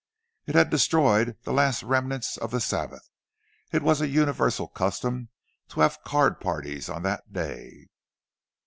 It had destroyed the last remnants of the Sabbath—it was a universal custom to have card parties on that day.